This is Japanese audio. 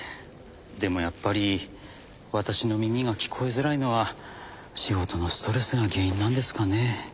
でもやっぱり私の耳が聞こえづらいのは仕事のストレスが原因なんですかね。